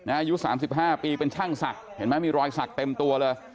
อายุ๓๕ปีเป็นช่างศักดิ์เห็นไหมมีรอยสักเต็มตัวเลย